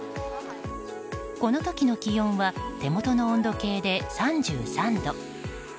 この時の気温は手元の温度計で３３度。